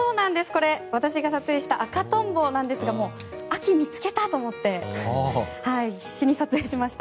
これ私が撮影した赤トンボなんですが秋、見つけた！と思って必死に撮影しました。